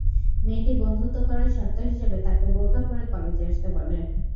মেয়েটি বন্ধুত্ব করার শর্ত হিসেবে তাকে বোরকা পরে কলেজে আসতে বলে।